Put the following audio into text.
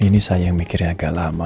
ini saya yang mikirnya agak lama